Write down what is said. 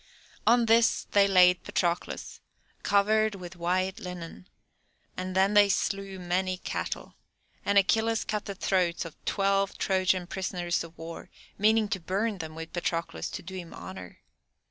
On this they laid Patroclus, covered with white linen, and then they slew many cattle, and Achilles cut the throats of twelve Trojan prisoners of war, meaning to burn them with Patroclus to do him honour.